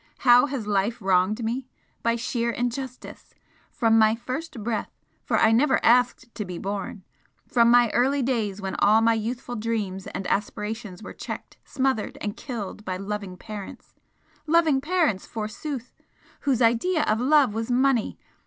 How has life wronged me? By sheer injustice! From my first breath for I never asked to be born! from my early days when all my youthful dreams and aspirations were checked, smothered and killed by loving parents! loving parents, forsooth! whose idea of 'love' was money!